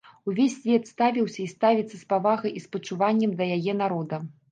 Увесь свет ставіўся і ставіцца з павагай і спачуваннем да яе народа.